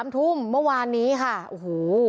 ทุ่มเมื่อวานนี้ค่ะโอ้โห